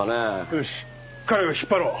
よし彼を引っ張ろう。